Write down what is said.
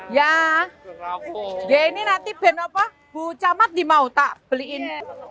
ya ini nanti benapa bucamat di mau tak beliin